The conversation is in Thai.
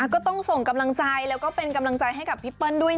ก็ต้องส่งกำลังใจแล้วก็เป็นกำลังใจให้กับพี่เปิ้ลด้วย